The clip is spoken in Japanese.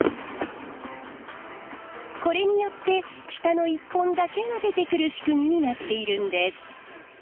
これによって下の１本だけが出てくる仕組みになっているんです。